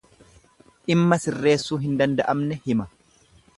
Dhimma sirreessuu hin danda'amne hima.